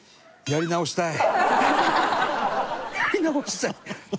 やり直したい。